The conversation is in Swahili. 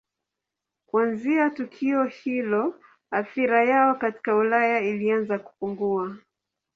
Kuanzia tukio hilo athira yao katika Ulaya ilianza kupungua.